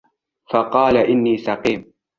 فقال إني سقيم